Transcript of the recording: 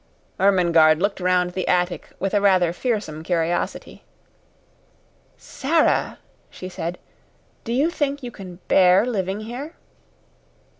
Ermengarde looked round the attic with a rather fearsome curiosity. "Sara," she said, "do you think you can bear living here?"